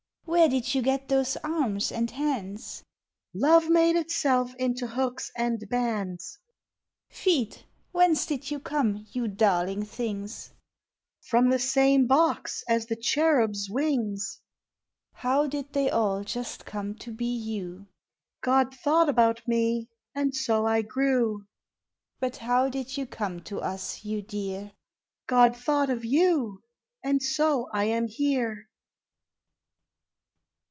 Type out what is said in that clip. Where did you get those arms and hands? Love made itself into hooks and bands. Feet, whence did you come, you darling things? From the same box as the cherubs' wings. How did they all just come to be you? God thought about me, and so I grew. But how did you come to us, you dear? God thought of you, and so I am here.